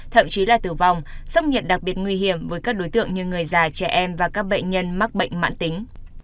thậm chí là tử vong sốc nhiệt đặc biệt nguy hiểm với các đối tượng như người già trẻ em và các bệnh nhân mắc bệnh mãn tính